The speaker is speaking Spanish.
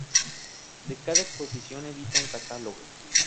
De cada exposición edita un catálogo.